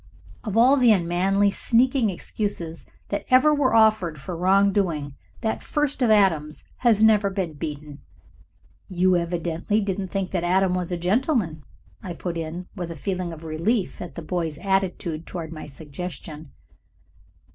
"Of all the unmanly, sneaking excuses that ever were offered for wrong doing, that first of Adam's has never been beaten." "You evidently don't think that Adam was a gentleman," I put in, with a feeling of relief at the boy's attitude toward my suggestion.